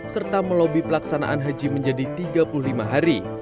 serta melobi pelaksanaan haji menjadi tiga puluh lima hari